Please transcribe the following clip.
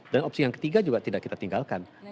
dan opsi yang ketiga juga tidak kita tinggalkan